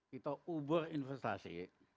kita ubur investasi